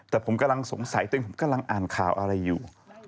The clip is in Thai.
แต่ผมกำลังสงสัยตัวเองผมกำลังอ่านข่าวอะไรอยู่